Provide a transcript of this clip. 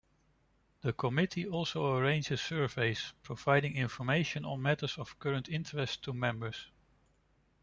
The committee also arranges surveys providing information on matters of current interest to members.